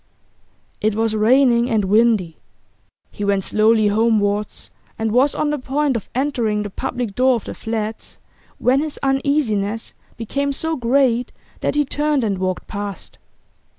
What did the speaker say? It was raining and windy. He went slowly homewards, and was on the point of entering the public door of the flats when his uneasiness became so great that he turned and walked past.